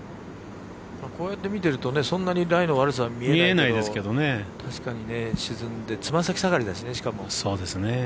こうやって見てるとそんなにライの悪さ見えないけど確かに沈んで爪先下がりですね、しかも。